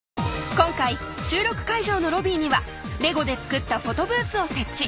今回収録会場のロビーには「レゴ」で作ったフォトブースを設置